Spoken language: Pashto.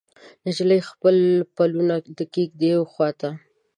نجلۍ خپل پلونه د کیږدۍ وخواته